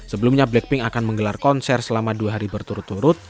sebelumnya blackpink akan menggelar konser selama dua hari berturut turut